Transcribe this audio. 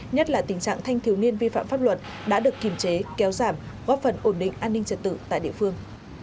nhất là tình trạng thanh thiếu niên vi phạm pháp luật đã được kiềm chế kéo giảm góp phần ổn định an ninh trật tự tại địa phương